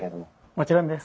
もちろんです。